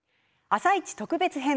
「あさイチ」特別編。